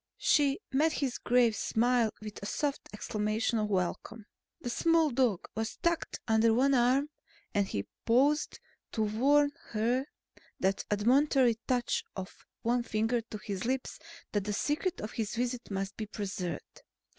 She met his grave smile with a soft exclamation of welcome. The small dog was tucked under one arm and he paused to warn her with that admonitory touch of one finger to his lips that the secret of his visits must be preserved.